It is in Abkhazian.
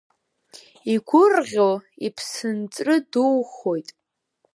Игәырӷьо иԥсынҵры духоит.